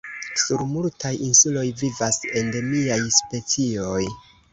Sur multaj insuloj vivas endemiaj specioj.